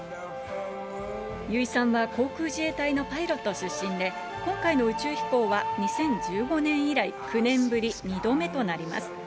油井さんは航空自衛隊のパイロット出身で、今回の宇宙飛行は２０１５年以来、９年ぶり２度目となります。